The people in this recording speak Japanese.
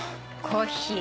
コッヒー？